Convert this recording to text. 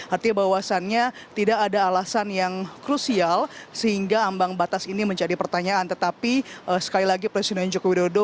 artinya bahwasannya tidak ada alasan yang krusial sehingga ambang batas ini menjadi pertanyaan tetapi sekali lagi presiden joko widodo